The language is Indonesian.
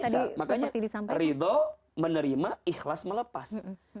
makanya ridho menerima ikhlas melepas